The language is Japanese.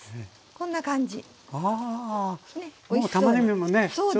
こんな感じ。